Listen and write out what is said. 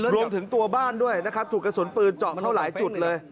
รวมถึงตัวบ้านด้วยนะครับถูกกระสุนปืนเจาะเข้าหลายจุดเลย